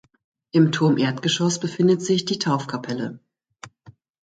Im Turmerdgeschoß befindet sich die Taufkapelle.